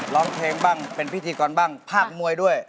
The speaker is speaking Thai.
ร้องเพลงบ้างเป็นพิธีกรบ้างภาคมวยด้วย